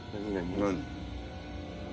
何？